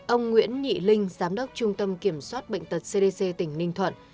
ông nguyễn nhị linh giám đốc trung tâm kiểm soát bệnh tật cdc tỉnh ninh thuận